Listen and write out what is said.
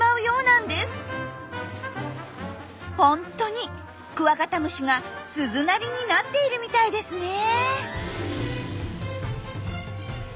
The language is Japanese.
ホントにクワガタムシが鈴なりになっているみたいですねえ。